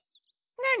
なに？